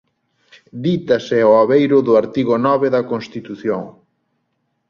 Dítase ao abeiro do artigo nove da Constitución.